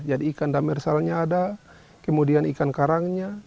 jadi ikan damersalnya ada kemudian ikan karangnya